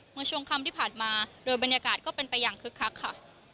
เมื่อช่วงค่ำที่ผ่านมาโดยบรรยากาศก็เป็นไปอย่างคึกคักค่ะ